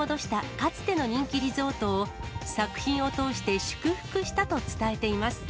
かつての人気リゾートを、作品を通して祝福したと伝えています。